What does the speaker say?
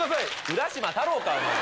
『浦島太郎』か！